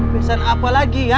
pesan apa lagi ya